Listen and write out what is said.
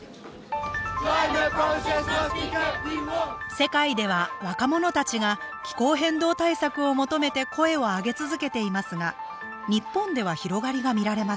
世界では若者たちが気候変動対策を求めて声を上げ続けていますが日本では広がりが見られません。